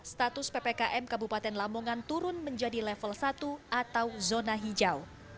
status ppkm kabupaten lamongan turun menjadi level satu atau zona hijau